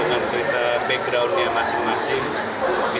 inspiring buat kita sebagai penonton yang menyimak acara ini